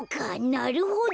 なるほど。